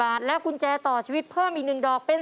บาทและกุญแจต่อชีวิตเพิ่มอีก๑ดอกเป็น